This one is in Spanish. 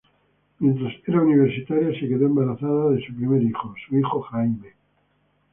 Mientras era universitaria se quedó embarazada de su primer niño, su hijo Jamie.